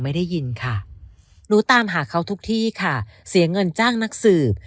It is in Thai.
ได้ยินค่ะหนูตามหาเขาทุกที่ค่ะเสียเงินจ้างนักสืบ